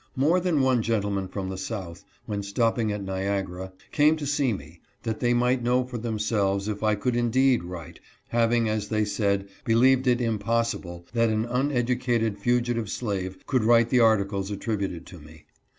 More than one gentleman from the South, when stopping at Niagara, came to see me, that they might know for themselves if I could indeed write, having, as they said, believed it impossible that an uneducated fugitive slave could write the articles attrib uted to me.